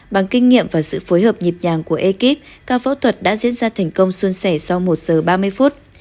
bằng kinh nghiệm và sự phối hợp nhịp nhàng của ekip ca phẫu thuật đã diễn ra thành công xuân sẻ sau một giờ ba mươi phút